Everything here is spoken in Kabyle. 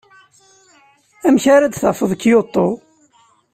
Amek ara d-tafeḍ Kyoto?